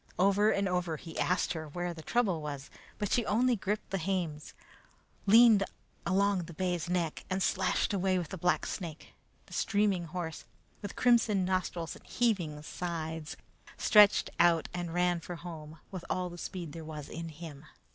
Over and over he asked her where the trouble was, but she only gripped the hames, leaned along the bay's neck, and slashed away with the blacksnake. The steaming horse, with crimson nostrils and heaving sides, stretched out and ran for home with all the speed there was in him.